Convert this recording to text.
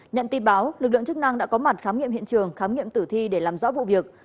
nhận tin báo lực lượng chức năng đã có mặt khám nghiệm hiện trường khám nghiệm tử thi để làm rõ vụ việc